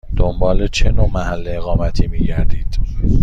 دنبال چه نوع محل اقامتی می گردید؟